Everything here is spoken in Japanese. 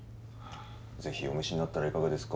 是非お召しになったらいかがですか。